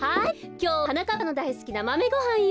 きょうははなかっぱのだいすきなマメごはんよ。